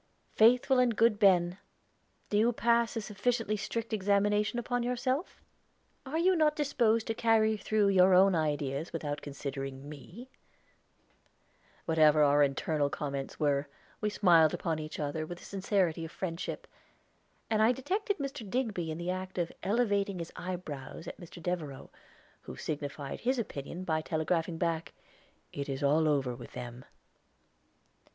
"Faithful and good Ben, do you pass a sufficiently strict examination upon yourself? Are you not disposed to carry through your own ideas without considering me?" Whatever our internal comments were, we smiled upon each other with the sincerity of friendship, and I detected Mr. Digby in the act of elevating his eyebrows at Mr. Devereaux, who signified his opinion by telegraphing back: "It is all over with them."